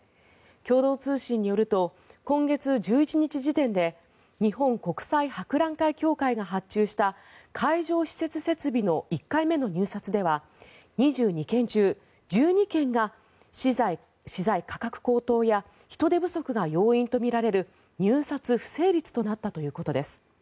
共同通信によると今月１１日時点で日本国際博覧会協会が発注した会場施設設備の１回目の入札では２２件中１２件が資材価格高騰や人手不足が要因とみられる入札不成立となったということです。